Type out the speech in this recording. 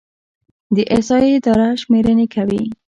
د احصایې اداره شمیرنې کوي